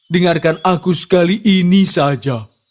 dengarkan aku sekali ini saja